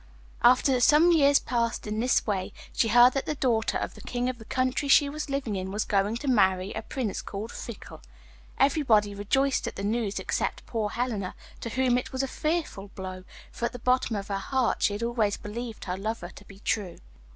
After some years passed in this way, she heard that the daughter of the king of the country she was living in was going to marry a Prince called 'Fickle.' Everybody rejoiced at the news except poor Helena, to whom it was a fearful blow, for at the bottom of her heart she had always believed her lover to be true.